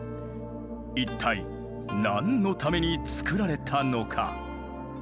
一体何のために造られたのか？